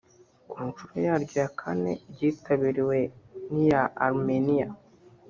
ku nshuro yaryo ya kane ryitabiriwe n’iya Armenia